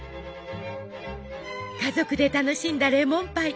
家族で楽しんだレモンパイ。